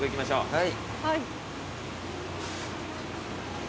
はい？